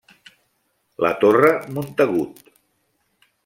La torre Montagut.